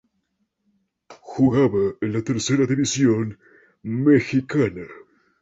Jugaba en la Tercera división mexicana.